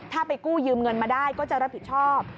ถ้าไปกู้ยืมเงินมาได้ก็จะรับผิดชอบ